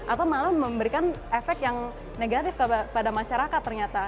atau malah memberikan efek yang negatif kepada masyarakat ternyata